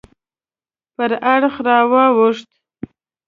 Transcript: پر اړخ راواوښت.